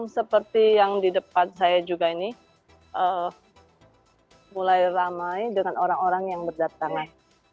seperti yang di depan saya juga ini mulai ramai dengan orang orang yang berdatangan